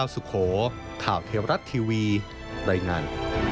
สวัสดีครับ